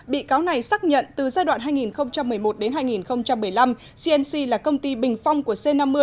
bị cáo này xác nhận từ giai đoạn hai nghìn một mươi một đến hai nghìn một mươi năm cnc là công ty bình phong của c năm mươi